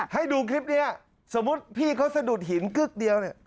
ให้ดูคลิปนี้สมมุติพี่จะดูดหินเกิ้กเดียวนะ